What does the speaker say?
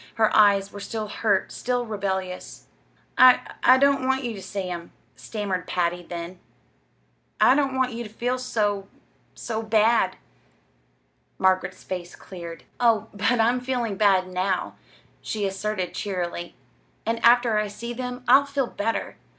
Her eyes were still hurt, still rebellious. "I I don't want you ter see them," stammered Patty, then. "I don't want you ter feel so so bad." Margaret's face cleared. "Oh, but I'm feeling bad now," she asserted cheerily; "and after I see them I'll feel better.